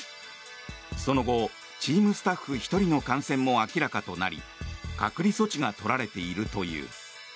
その後、チームスタッフ１人の感染も明らかとなり隔離措置が取られているという。